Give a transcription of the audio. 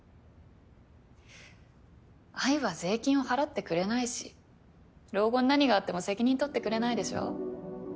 愛は税金を払ってくれないし老後に何があっても責任取ってくれないでしょ？